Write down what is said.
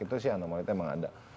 itu sih anomalitnya emang ada